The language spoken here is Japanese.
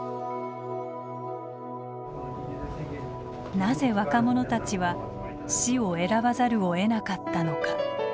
なぜ若者たちは死を選ばざるをえなかったのか。